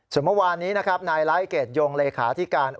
สมมัติว่านี้นะครับนายลัยเกรดโยงเลขาธิการ